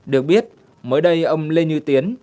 được biết mới đây ông lê như tiến